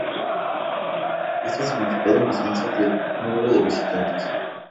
Esto ha significado un descenso del número de visitantes.